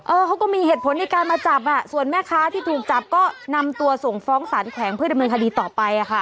เขาก็มีเหตุผลในการมาจับอ่ะส่วนแม่ค้าที่ถูกจับก็นำตัวส่งฟ้องสารแขวงเพื่อดำเนินคดีต่อไปอ่ะค่ะ